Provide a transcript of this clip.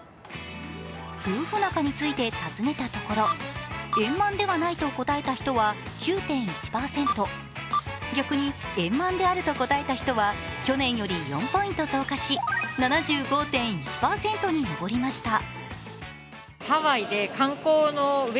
夫婦仲について尋ねたところ、円満ではないと答えた人は９．１％、逆に円満であると答えた人は去年より４ポイント増加し７５．１％に上りました。